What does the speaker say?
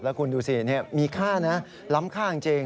แล้วคุณดูสิมีค่านะล้ำค่าจริง